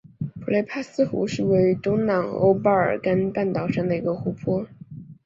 普雷斯帕湖是位于东南欧巴尔干半岛上的一个湖泊。